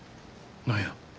何や。